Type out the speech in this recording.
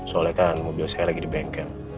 soalnya kan mobil saya lagi di bengkel